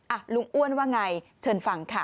ลุงอ้วนว่าไงเชิญฟังค่ะ